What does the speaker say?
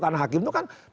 karena hakim itu kan